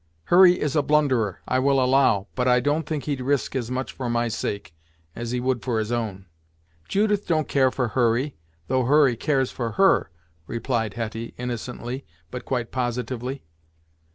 Hurry is a blunderer, I will allow, but I don't think he'd risk as much for my sake, as he would for his own." "Judith don't care for Hurry, though Hurry cares for her," replied Hetty innocently, but quite positively.